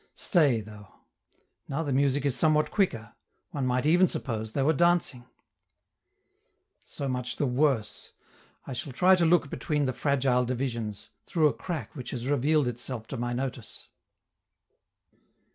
Stay, though! Now the music is somewhat quicker one might even suppose they were dancing! So much the worse! I shall try to look between the fragile divisions, through a crack which has revealed itself to my notice.